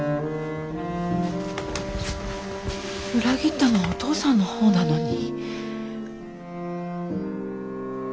裏切ったのはお父さんの方なのに。